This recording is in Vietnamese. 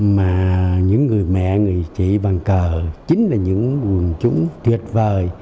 mà những người mẹ người chị bàn cờ chính là những quần chúng tuyệt vời